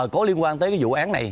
có liên quan tới cái vụ án này